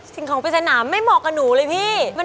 สิ่งของปริศนาไม่เหมาะกับหนูเลยพี่